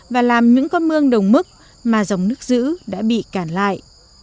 và làm những con mương đồng mức mà dòng nước giữ đã bị cản lại